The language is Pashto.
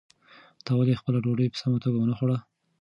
تا ولې خپله ډوډۍ په سمه توګه ونه خوړه؟